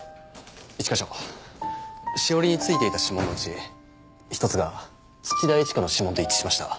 一課長しおりに付いていた指紋のうち一つが土田一花の指紋と一致しました。